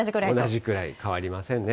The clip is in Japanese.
同じくらい、変わりませんね。